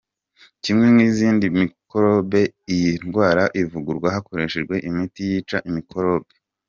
Kimwe nk’izindi mikorobe, iyi ndwara ivurwa hakoreshejwe imiti yica mikorobe.